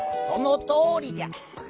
「そのとおりじゃ」。